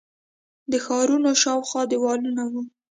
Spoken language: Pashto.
د ښارونو شاوخوا دیوالونه وو